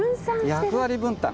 役割分担。